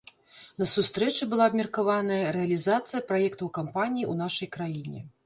На сустрэчы была абмеркаваная рэалізацыя праектаў кампаніі ў нашай краіне.